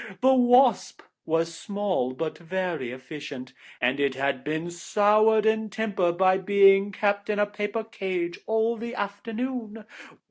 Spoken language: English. The wasp was small, but very efficient, and it had been soured in temper by being kept in a paper cage all the afternoon.